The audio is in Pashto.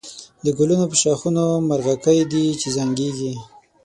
د گلونو پر ښاخونو مرغکۍ دی چی زنگېږی